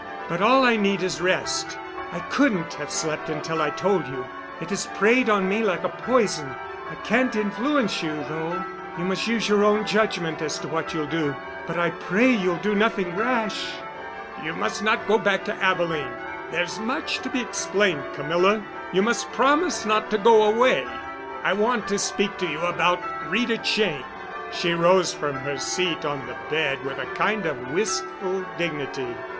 But all I need is rest. I couldn't have slept until I told you. It has preyed on me like a poison. I can't influence you, though. You must use your own judgment as to what you'll do, but I pray you'll do nothing rash." "You must not go back to Abilene. There's much to be explained, Camilla—you must promise not to go away! I want to speak to you about Rita Cheyne." She rose from her seat on the bed with a kind of wistful dignity.